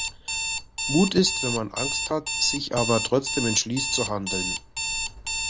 Mut ist, wenn man Angst hat, sich aber trotzdem entschließt zu handeln.